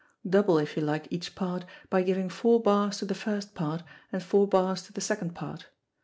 Double, if you like, each part, by giving four bars to the first part, and four bars to the second part.